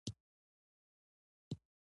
افغاني غالۍ د نړۍ له ښکلو غالیو شمېرل کېږي.